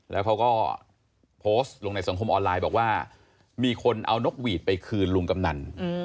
แล้วเขาก็โพสต์ลงในสังคมออนไลน์บอกว่ามีคนเอานกหวีดไปคืนลุงกำนัน